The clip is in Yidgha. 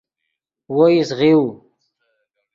وو ایست غیؤو